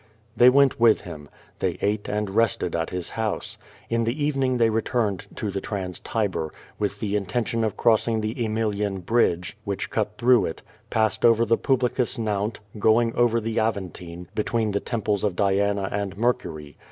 They went with him. They ate and rested at his house. In the evening they returned to the Trans Tiber, with the intention of crossing the Aemilian bridge which cut through it, passed over the Publicus Nount, going over the Aventine, between the temples of Diana and Mercury.